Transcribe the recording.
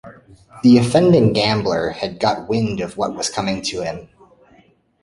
The offending gambler had got wind of what was coming to him.